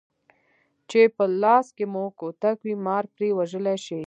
چې په لاس کې مو کوتک وي مار پرې وژلی شئ.